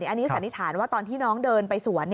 อันนี้สันนิษฐานว่าตอนที่น้องเดินไปสวน